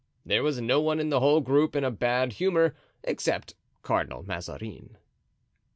There was no one in the whole group in a bad humor except Cardinal Mazarin.